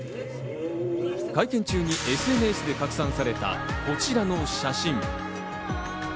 会見中にＳＮＳで拡散されたこちらの写真。